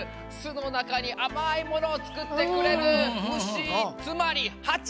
のなかにあまいものをつくってくれるむしつまりハチ！